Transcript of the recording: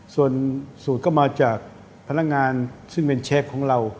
ส่วนสูตรก็มาจากพนักงานซึ่งเป็นเชฟของเรา